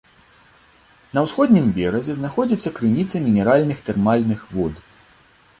На ўсходнім беразе знаходзіцца крыніца мінеральных тэрмальных вод.